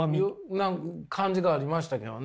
な感じがありましたけどね。